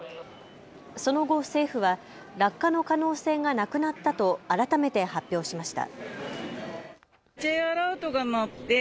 その後、政府は落下の可能性がなくなったと改めて発表しました。